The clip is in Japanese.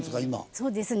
そうですね